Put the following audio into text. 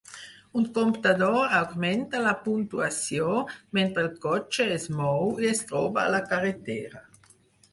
Un comptador augmenta la puntuació mentre el cotxe es mou i es troba a la carretera.